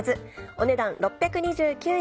お値段６２９円。